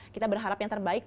kita berharap yang terbaik